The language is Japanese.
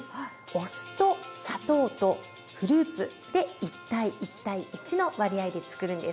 お酢と砂糖とフルーツで１：１：１の割合でつくるんです。